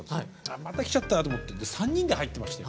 また来ちゃったと思って３人で入ってましたよ。